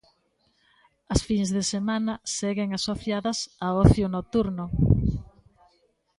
As fins de semana seguen asociadas a ocio nocturno.